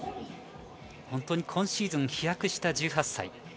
本当に今シーズン飛躍した１８歳。